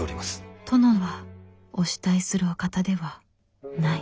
殿はお慕いするお方ではない。